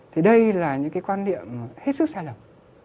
thì đây là những cái quan niệm hết sức sai lầm